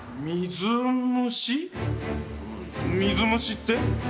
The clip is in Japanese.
水虫って？